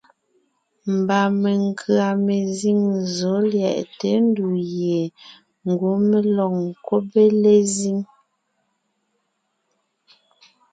Mba menkʉ̀a mezíŋ zɔ̌ lyɛʼte ndù gie ngwɔ́ mé lɔg ńkúbe lezíŋ.